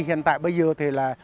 hiện tại bây giờ thì là